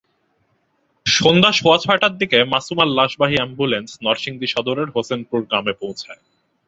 সন্ধ্যা সোয়া ছয়টার দিকে মাসুমার লাশবাহী অ্যাম্বুলেন্স নরসিংদী সদরের হোসেনপুর গ্রামে পৌঁছায়।